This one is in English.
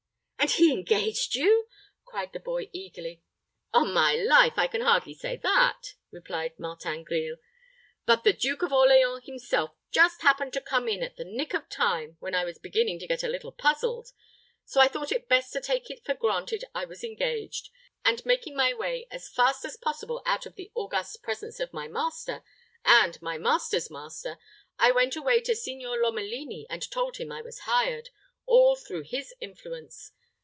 "And he engaged you," cried the boy, eagerly. "On my life! I can hardly say that," replied Martin Grille. "But the Duke of Orleans himself just happened to come in at the nick of time, when I was beginning to get a little puzzled. So I thought it best to take it for granted I was engaged; and making my way as fast as possible out of the august presence of my master, and my master's master, I went away to Signor Lomelini and told him I was hired, all through his influence.